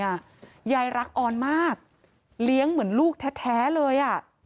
ยายรักออนมากเลี้ยงเหมือนลูกแท้เลยอ่ะ